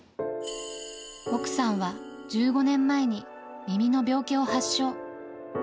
奥さんは１５年前に耳の病気を発症。